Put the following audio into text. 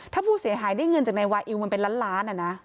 ถ้าผู้เสียหายได้เงินจากนายวาอิวมันเป็นล้านล้าน